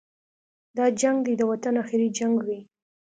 دا جنګ دې د وطن اخري جنګ وي.